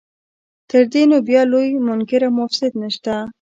تر دې نو بیا لوی منکر او مفسد نشته.